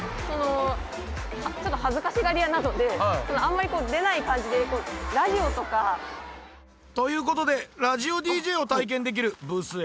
ちょっと恥ずかしがり屋なのであんまり出ない感じでこうラジオとか。ということでラジオＤＪを体験できるブースへご案内！